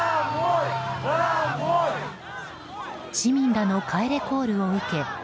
市民らの帰れコールを受け